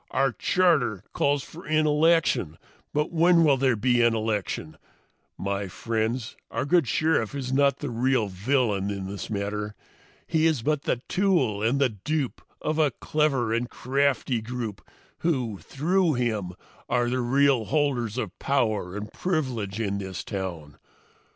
Our charter calls for an election but when will there be an election? My friends, our good Sheriff is not the real villain in this matter. He is but the tool and the dupe of a clever and crafty group who, through him, are the real holders of power and privilege in this town.